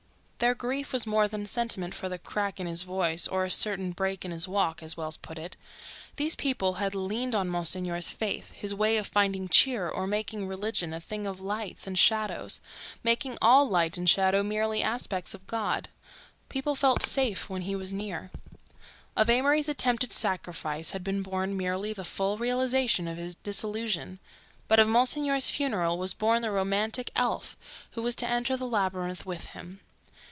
Their grief was more than sentiment for the "crack in his voice or a certain break in his walk," as Wells put it. These people had leaned on Monsignor's faith, his way of finding cheer, of making religion a thing of lights and shadows, making all light and shadow merely aspects of God. People felt safe when he was near. Of Amory's attempted sacrifice had been born merely the full realization of his disillusion, but of Monsignor's funeral was born the romantic elf who was to enter the labyrinth with him.